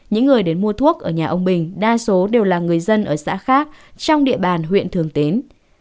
những người đến mua thuốc ở nhà ông bình đa số đều là người dân ở xã khác trong địa bàn huyện thường tín